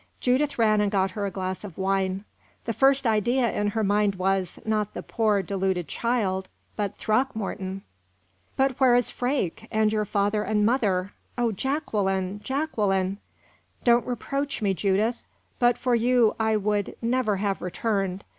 Judith ran and got her a glass of wine. The first idea in her mind was, not the poor, deluded child, but Throckmorton. "But where is Freke and your father and mother? O Jacqueline, Jacqueline!" "Don't reproach me, Judith. But for you I would never have returned.